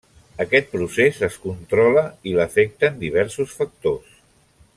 Aquest procés es controla i l'afecten diversos factors.